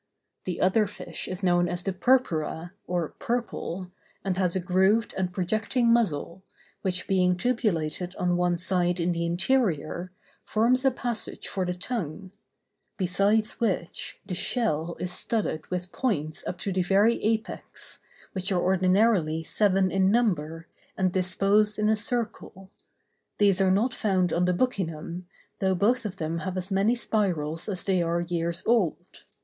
The other fish is known as the "purpura," or purple, and has a grooved and projecting muzzle, which being tubulated on one side in the interior, forms a passage for the tongue; besides which, the shell is studded with points up to the very apex, which are ordinarily seven in number, and disposed in a circle; these are not found on the buccinum, though both of them have as many spirals as they are years old.